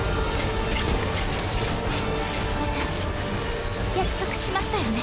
私約束しましたよね。